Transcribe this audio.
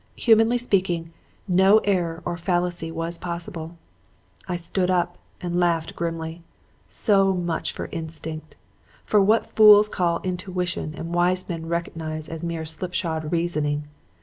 Humanly speaking, no error or fallacy was possible. "I stood up and laughed grimly. So much for instinct! For what fools call intuition and wise men recognize for mere slipshod reasoning!